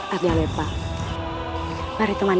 adia bipa as brush